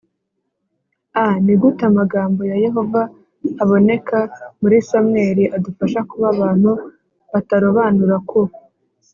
a Ni gute amagambo ya Yehova aboneka muri Samweli adufasha kuba abantu batarobanura ku